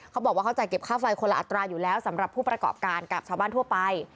เขาบอกว่าเขาจ่ายเก็บค่าไฟคนละอัตราอยู่แล้วสำหรับผู้ประกอบการกับชาวบ้านทั่วไป